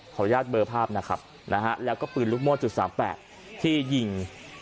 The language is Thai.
อนุญาตเบอร์ภาพนะครับนะฮะแล้วก็ปืนลูกโม่จุด๓๘ที่ยิง